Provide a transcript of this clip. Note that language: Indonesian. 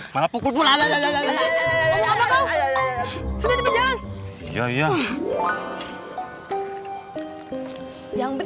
malah pukul pula